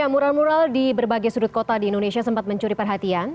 mural mural di berbagai sudut kota di indonesia sempat mencuri perhatian